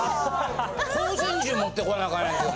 光線銃持ってこなあかんやんけお前。